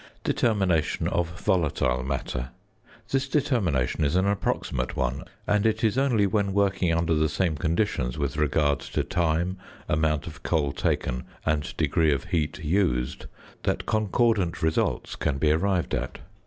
~Determination of Volatile Matter.~ This determination is an approximate one, and it is only when working under the same conditions with regard to time, amount of coal taken, and degree of heat used, that concordant results can be arrived at.